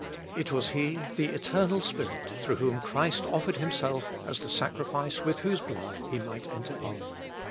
It was He, the Eternal Spirit, through whom Christ offered Him self as the sacrifice with whose blood He might enter in.